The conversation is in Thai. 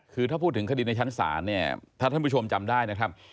คือถ้าพูดถึงคดีในชั้นศาลเนี่ยถ้าท่านผู้ชมจำได้นะครับ